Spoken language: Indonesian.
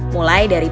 mulai dari tuhan